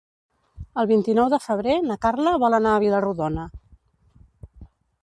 El vint-i-nou de febrer na Carla vol anar a Vila-rodona.